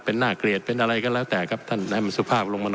เป็นน่าเกลียดเป็นอะไรก็แล้วแต่ครับท่านให้มันสุภาพลงมาหน่อย